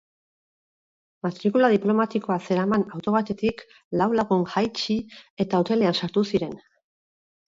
Matrikula diplomatikoa zeraman auto batetik lau lagun jaitsi, eta hotelean sartu ziren.